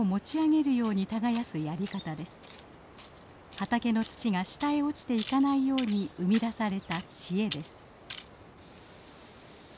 畑の土が下へ落ちていかないように生み出された知恵です。